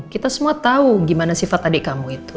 kita semua tahu gimana sifat adik kamu itu